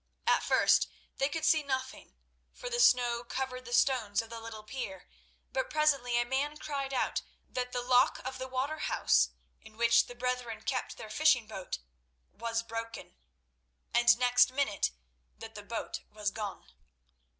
At first they could see nothing, for the snow covered the stones of the little pier, but presently a man cried out that the lock of the water house, in which the brethren kept their fishing boat, was broken, and next minute, that the boat was gone.